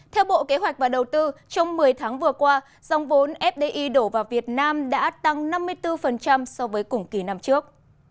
theo bộ kế hoạch và đầu tư trong một mươi tháng vừa qua dòng vốn fdi đổ vào việt nam đã tăng năm mươi bốn so với cùng kỳ năm trước